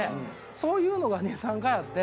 そういうのが２３回あって。